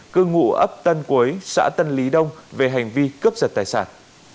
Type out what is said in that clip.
cư ngụ ấp tân quế xã tân lý đông về hành vi cướp giật tài sản